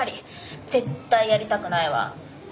絶対やりたくないわ。